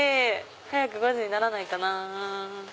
早く５時にならないかなぁ。